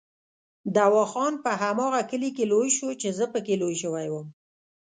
دوا خان په هماغه کلي کې لوی شو چې زه پکې لوی شوی وم.